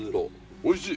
おいしい。